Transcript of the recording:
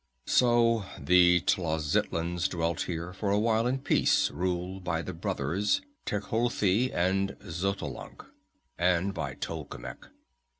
"So the Tlazitlans dwelt here, for a while in peace, ruled by the brothers Tecuhltli and Xotalanc, and by Tolkemec.